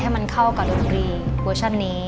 ให้มันเข้ากับรุ่นกีฟเวอร์ชั่นนี้